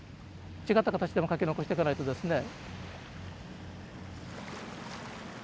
違った形でも書き残してかないとですね。